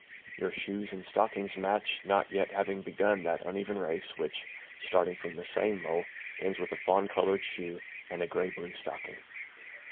Your shoes and stockings match, not yet having begun that uneven race which, starting from the same mole, ends with a fawn colored shoe and a grey blue stocking.